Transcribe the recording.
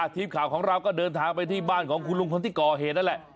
ทีมข่าวของเราก็เดินทางไปที่บ้านของคุณลุงคนที่ก่อเหตุนั่นแหละ